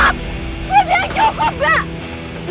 sudah cukup nanda